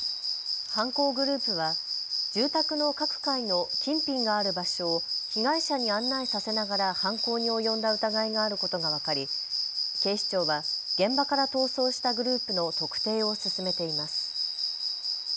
犯行グループは住宅の各階の金品がある場所を被害者に案内させながら犯行に及んだ疑いがあることが分かり警視庁は現場から逃走したグループの特定を進めています。